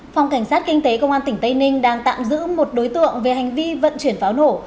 phòng cảnh sát kinh tế công an tỉnh tây ninh đang tạm giữ một đối tượng về hành vi vận chuyển pháo nổ